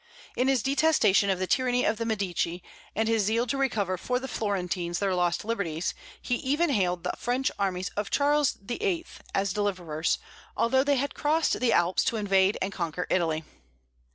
In his detestation of the tyranny of the Medici, and his zeal to recover for the Florentines their lost liberties, he even hailed the French armies of Charles VIII. as deliverers, although they had crossed the Alps to invade and conquer Italy.